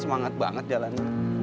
semangat banget jalanin